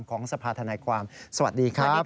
ของสภาธนายความสวัสดีครับ